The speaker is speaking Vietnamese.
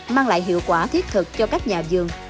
mang lại hiệu quả thiết thực cho các nhà vườn